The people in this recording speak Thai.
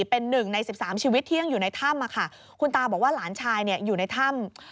เป็นหนึ่งใน๑๓ชีวิตที่ยังอยู่ในถ้ำคุณตาบอกว่าหลานชายอยู่ในถ้ำ